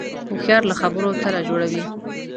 هوښیار له خبرو تله جوړوي